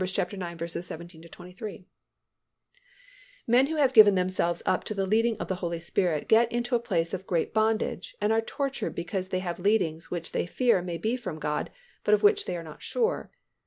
ix. 17 23). Many who have given themselves up to the leading of the Holy Spirit get into a place of great bondage and are tortured because they have leadings which they fear may be from God but of which they are not sure.